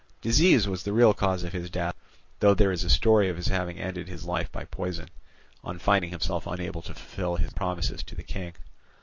Disease was the real cause of his death; though there is a story of his having ended his life by poison, on finding himself unable to fulfil his promises to the king.